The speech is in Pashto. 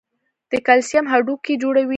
د کلسیم هډوکي جوړوي.